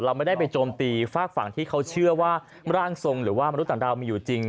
ไม่ได้ไปโจมตีฝากฝั่งที่เขาเชื่อว่าร่างทรงหรือว่ามนุษย์ต่างดาวมีอยู่จริง